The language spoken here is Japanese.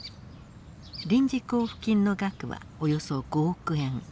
臨時交付金の額はおよそ５億円。